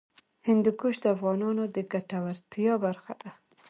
هندوکش د افغانانو د ګټورتیا برخه ده.